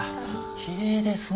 きれいですね。